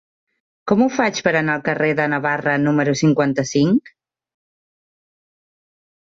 Com ho faig per anar al carrer de Navarra número cinquanta-cinc?